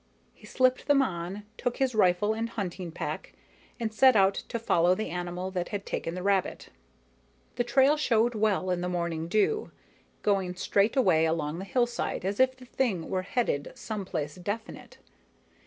He slipped them on, took his rifle and hunting pack, and set out to follow the animal that had taken the rabbit. The trail showed well in the morning dew, going straight away along the hillside as if the thing were headed some place definite.